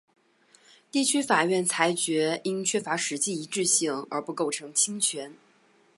地区法院裁决因缺乏实际一致性而不构成侵权。